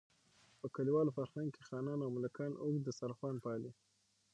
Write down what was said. په کلیوال فرهنګ کې خانان او ملکان اوږد دسترخوان پالي.